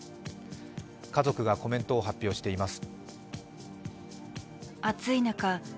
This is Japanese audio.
家族がコメントを発表しています。